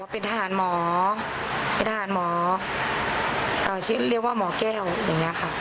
เป็นทหารหมอเป็นทหารหมอเรียกว่าหมอแก้วอย่างนี้ค่ะ